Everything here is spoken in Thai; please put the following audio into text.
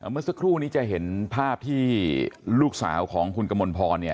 เมื่อสักครู่นี้จะเห็นภาพที่ลูกสาวของคุณกมลพร